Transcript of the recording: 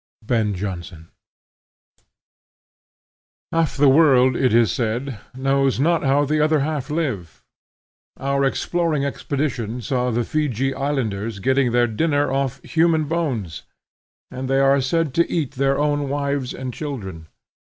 BEN JONSON IV. MANNERS. HALF the world, it is said, knows not how the other half live. Our Exploring Expedition saw the Feejee islanders getting their dinner off human bones; and they are said to eat their own wives and children.